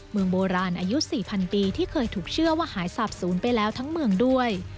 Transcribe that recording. เมืองโบราณอายุ๔๐๐ปีที่เคยถูกเชื่อว่าหายสาบศูนย์ไปแล้วทั้งเมืองด้วย